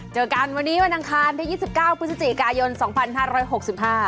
เจอกันวันนี้วันอังคารที่ยี่สิบเก้าพฤศจิกายนสองพันห้าร้อยหกสิบห้า